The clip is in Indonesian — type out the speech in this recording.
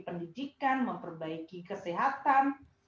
pendidikan memperbaiki kesehatan